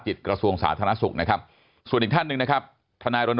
กระทรวงสาธารณสุขนะครับส่วนอีกท่านหนึ่งนะครับทนายรณ